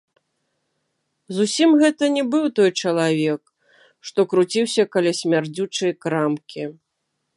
Зусім гэта не быў той чалавек, што круціўся каля смярдзючай крамкі.